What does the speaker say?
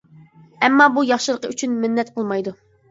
ئەمما بۇ ياخشىلىقى ئۈچۈن مىننەت قىلمايدۇ.